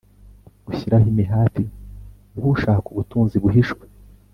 gushyiraho imihati nk’ushaka ubutunzi buhishwe